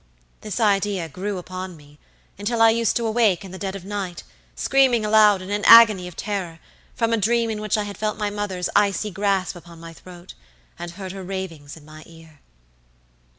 This idea grew upon me until I used to awake in the dead of night, screaming aloud in an agony of terror, from a dream in which I had felt my mother's icy grasp upon my throat, and heard her ravings in my ear.